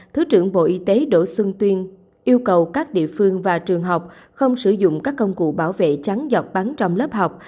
thứ trưởng bộ y tế đỗ xuân tuyên yêu cầu các địa phương và trường học không sử dụng các công cụ bảo vệ trắng giọt bắn trong lớp học